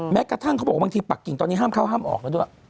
แม้กระทั่งเขาบอกว่าบางทีปักกิ่งตอนนี้ห้ามเข้าห้ามออกแล้วด้วย